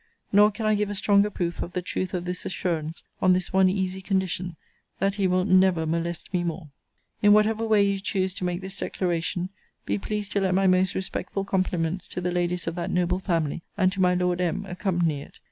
Nor can I give a stronger proof of the truth of this assurance, on this one easy condition, that he will never molest me more. In whatever way you choose to make this declaration, be pleased to let my most respectful compliments to the ladies of that noble family, and to my Lord M., accompany it.